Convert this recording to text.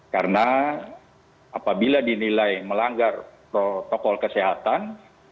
karena apabila dinilai melanggar protokol kesehatan